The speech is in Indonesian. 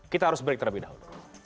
kita harus break terlebih dahulu